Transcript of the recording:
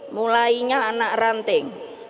mulainya anak ranting